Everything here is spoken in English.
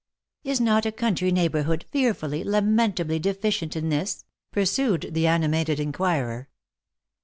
" Is not a country neighbourhood fearfully, lamentably diffident in this ?" pursued the animated inquirer.